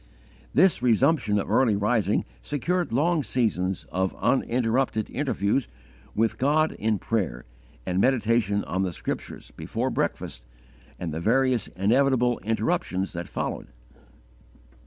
This resumption of early rising secured long seasons of uninterrupted interviews 'with God, in prayer and meditation on the Scriptures, before breakfast and the various inevitable interruptions that followed.